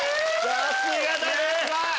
さすがだね！